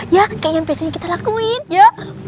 ya kayak yang biasanya kita lakuin yuk